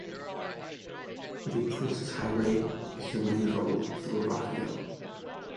The Princes Highway is the main road through Rockdale.